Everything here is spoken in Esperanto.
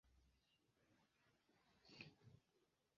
Kaj poste venas la vico de Fidiaso, kiu montros mirindaĵojn el Eŭropo.